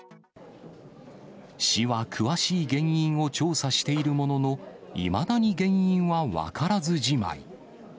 市は詳しい原因を調査しているものの、いまだに原因は分からずじまい。